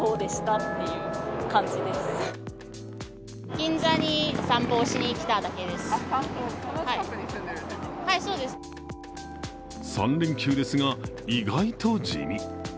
銀座では３連休ですが、意外と地味。